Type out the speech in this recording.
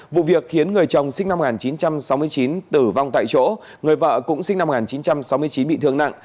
vụ việc khiến người chồng sinh năm một nghìn chín trăm sáu mươi chín tử vong tại chỗ người vợ cũng sinh năm một nghìn chín trăm sáu mươi chín bị thương nặng